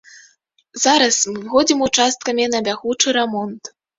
Зараз мы выходзім участкамі на бягучы рамонт.